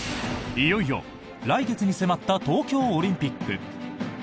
いよいよ来月に迫った東京オリンピック。